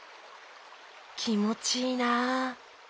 きもちいいなあ。